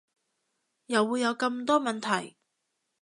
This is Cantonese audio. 又會有咁多問題